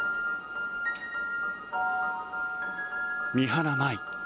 三原舞依